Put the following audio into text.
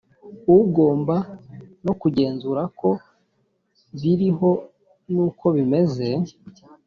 ugomba no kugenzura ko biriho n’ uko bimeze